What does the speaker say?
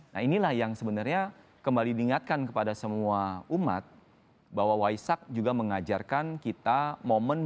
nah inilah yang sebenarnya kembali diingatkan kepada semua umat bahwa waisak juga mengajarkan kita momen